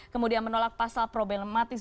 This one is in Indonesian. kemudian menolak pasal problematis